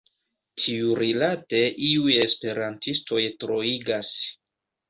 Tiurilate iuj esperantistoj troigas.